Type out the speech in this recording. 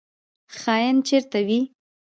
خاین چیرته وي؟